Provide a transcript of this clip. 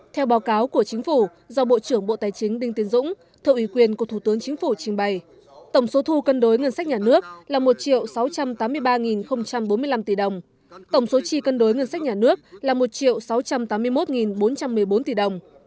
theo báo cáo của chính phủ do bộ trưởng bộ tài chính đinh tiến dũng thợ ủy quyền của thủ tướng chính phủ trình bày tổng số thu cân đối ngân sách nhà nước là một sáu trăm tám mươi ba bốn mươi năm tỷ đồng tổng số chi cân đối ngân sách nhà nước là một sáu trăm tám mươi một bốn trăm một mươi bốn tỷ đồng